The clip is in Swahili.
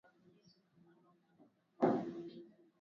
Sipendi watoto wajeuri